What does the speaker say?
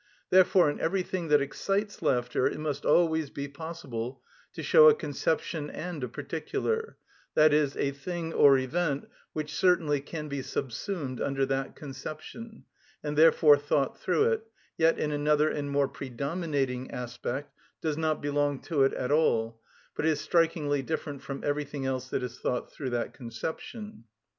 Therefore in everything that excites laughter it must always be possible to show a conception and a particular, that is, a thing or event, which certainly can be subsumed under that conception, and therefore thought through it, yet in another and more predominating aspect does not belong to it at all, but is strikingly different from everything else that is thought through that conception.